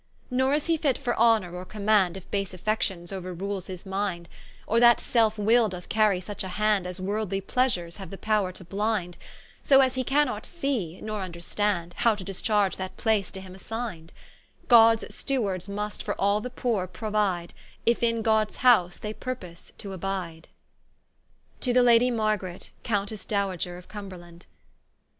Nor is he fit for honour, or command, If base affections ouer rules his mind; Or that selfe will doth carry such a hand, As worldly pleasures haue the powre to blind So as he cannot see, nor vnderstand How to discharge that place to him assign'd: Gods Stewards must for all the poore prouide, If in Gods house they purpose to abide. To the Ladie Margaret Coun tesse Dowager of Cumberland.